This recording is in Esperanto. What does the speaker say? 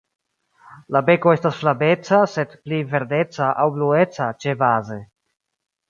La beko estas flaveca, sed pli verdeca aŭ blueca ĉebaze.